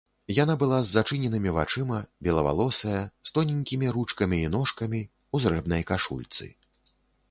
Яна была з зачыненымі вачыма, белавалосая, з тоненькімі ручкамі і ножкамі, у зрэбнай кашульцы.